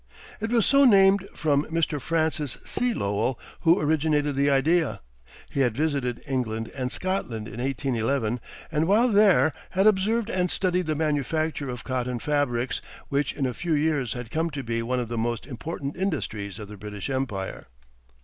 It was so named from Mr. Francis C. Lowell, who originated the idea. He had visited England and Scotland in 1811, and while there had observed and studied the manufacture of cotton fabrics, which in a few years had come to be one of the most important industries of the British Empire.